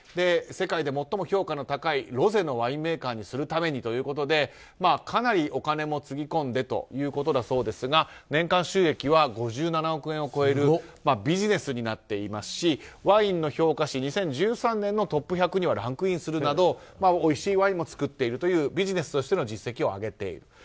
世界で最も評価の高いロゼのワインメーカーにするためにということでかなりお金もつぎ込んでということだそうですが年間収益は５７億円を超えるビジネスになっていますしワインの評価誌２０１３年のトップ１００にはランクインするなどおいしいワインも造っているというビジネスとしての実績を上げている。